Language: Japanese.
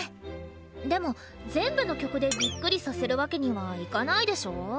でも全部の曲でびっくりさせるわけにはいかないでしょ。